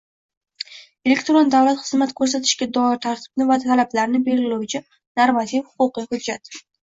— elektron davlat xizmati ko‘rsatishga doir tartibni va talablarni belgilovchi normativ-huquqiy hujjat;